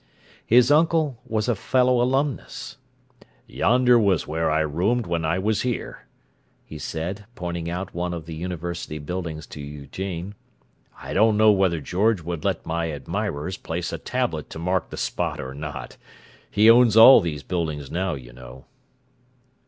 His uncle was a fellow alumnus. "Yonder was where I roomed when I was here," he said, pointing out one of the university buildings to Eugene. "I don't know whether George would let my admirers place a tablet to mark the spot, or not. He owns all these buildings now, you know."